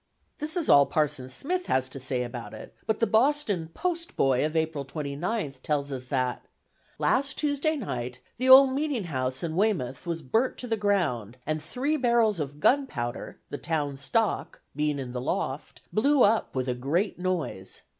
This is all Parson Smith has to say about it, but the Boston Post Boy of April 29th tells us that: "Last Tuesday Night the old Meeting house in Weymouth was burnt to the Ground: and three Barrels of Gunpowder, the Town Stock, being in the Loft, blew up with a great noise.